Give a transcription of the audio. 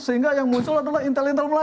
sehingga yang muncul adalah intel intel mengejar